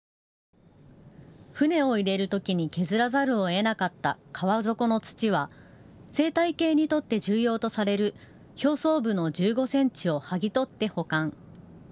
船を入れるときに削らざるをえなかった川底の土は生態系にとって重要とされる表層部の１５センチを剥ぎ取って保管。